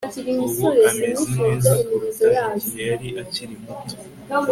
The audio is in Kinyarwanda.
Ubu ameze neza kuruta igihe yari akiri muto